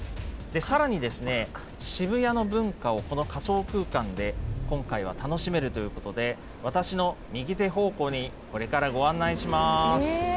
さらに、渋谷の文化をこの仮想空間で今回は楽しめるということで、私の右手方向にこれからご案内します。